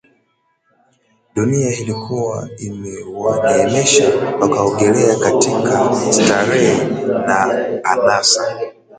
dunia ilikuwa imewaneemesha wakaogelea katika starehe na anasa